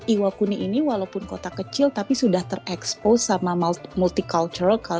iwakuni ini walaupun kota kecil tapi sudah terekspos sama multi cultural